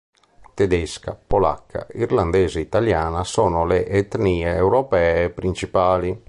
Tedesca, polacca, irlandese e italiana sono le etnie europee principali.